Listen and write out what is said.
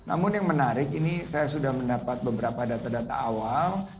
namun yang menarik ini saya sudah mendapat beberapa data data awal